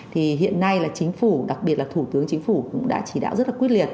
thì hiện nay là chính phủ đặc biệt là thủ tướng chính phủ cũng đã chỉ đạo rất là quyết liệt